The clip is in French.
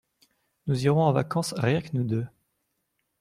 Nous irons en vacances rien que nous deux.